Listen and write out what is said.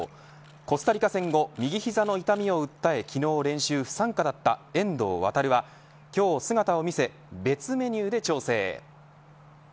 コスタリカ戦後、右膝の痛みを訴え、昨日練習不参加だった遠藤航は今日姿を見せ別メニューで調整。